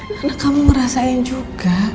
karena kamu merasain juga